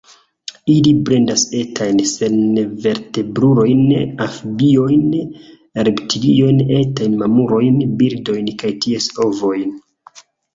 Ili predas etajn senvertebrulojn, amfibiojn, reptiliojn, etajn mamulojn, birdojn kaj ties ovojn.